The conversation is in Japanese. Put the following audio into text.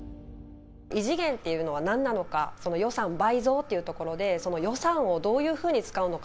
異次元っていうのはなんなのか、その予算倍増っていうところで、その予算をどういうふうに使うのか。